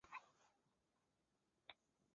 澳大利亚田径队在以下项目上获得参赛资格。